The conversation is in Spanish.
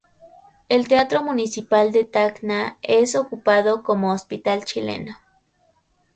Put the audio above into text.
El Teatro Municipal de Tacna es ocupado como hospital chileno.